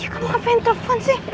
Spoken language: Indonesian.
kamu ngapain telepon sih